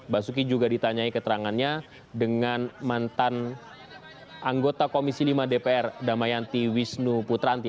basuki juga ditanyai keterangannya dengan mantan anggota komisi lima dpr damayanti wisnu putranti